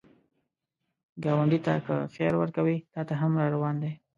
ګاونډي ته که خیر ورکوې، تا ته هم راروان دی